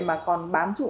mà còn bám trụ